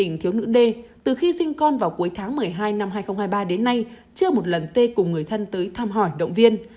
gia đình thiếu nữ d từ khi sinh con vào cuối tháng một mươi hai năm hai nghìn hai mươi ba đến nay chưa một lần tê cùng người thân tới thăm hỏi động viên